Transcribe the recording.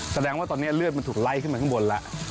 แสดงว่าตอนนี้เลือดมันถูกไล่ขึ้นมาข้างบนแล้ว